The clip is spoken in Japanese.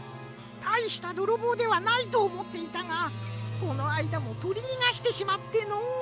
たいしたどろぼうではないとおもっていたがこのあいだもとりにがしてしまってのう。